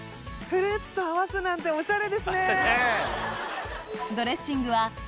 フルーツと合わすなんておしゃれですね！